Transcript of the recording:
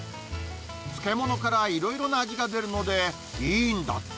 漬物からいろいろな味が出るのでいいんだって。